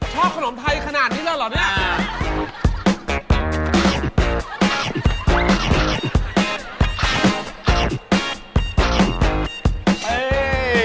ชอบขนมไทยขนาดนี้เลยเหรอเนี่ย